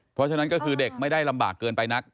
เพราะฉะนั้นก็คือเด็กไม่ได้ลำบากเกินไปนัก